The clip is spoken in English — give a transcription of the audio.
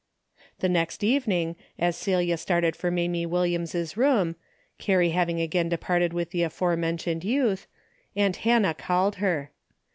The next evening as Celia started for Mamie Williams' room, Carrie having again departed with the aforementioned youth, aunt Hannah called her.